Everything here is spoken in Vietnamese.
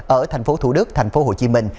ở thành phố thủ đức thành phố hồ chí minh